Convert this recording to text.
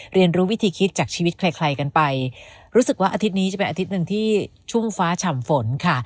เรียนรู้วิธีคิดจากชีวิตใครใครกันไปรู้สึกว่าอาทิตย์นี้จะเป็นอาทิตย์หนึ่งที่ช่วงฟ้าฉ่ำฝนค่ะ